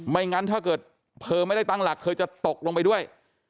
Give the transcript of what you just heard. งั้นถ้าเกิดเธอไม่ได้ตั้งหลักเธอจะตกลงไปด้วย